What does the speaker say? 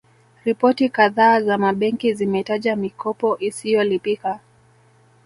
Ripoti kadhaa za mabenki zimetaja mikopo isiyolipika